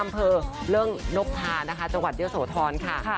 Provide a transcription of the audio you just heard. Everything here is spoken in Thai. ซึ่งนกพาจังหวัดเจ้าโสธรณ์ค่ะ